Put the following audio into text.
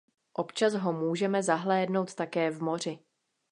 Občas ho můžeme zahlédnout také v moři.